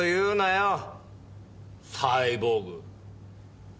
サイボーグ。